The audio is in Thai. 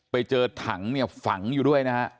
ไปเจอถังฝังอยู่ด้วยนะฮะ